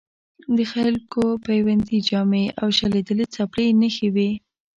د خلکو بیوندي جامې او شلېدلې څپلۍ نښې وې.